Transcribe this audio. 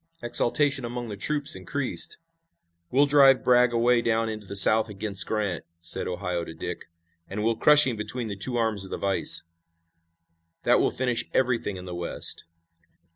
Exultation among the troops increased. "We'll drive Bragg away down into the South against Grant," said Ohio to Dick, "and we'll crush him between the two arms of the vise. That will finish everything in the West."